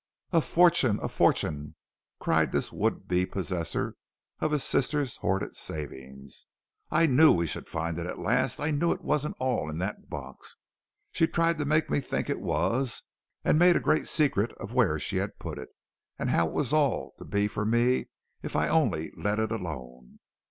"A fortune! A fortune!" cried this would be possessor of his sister's hoarded savings. "I knew we should find it at last. I knew it wasn't all in that box. She tried to make me think it was, and made a great secret of where she had put it, and how it was all to be for me if I only let it alone.